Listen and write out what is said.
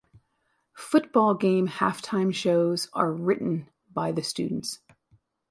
Football game halftime shows are written by the students.